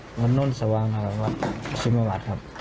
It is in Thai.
อ่าวัดนรทสวางวัดซิมพระวัดครับ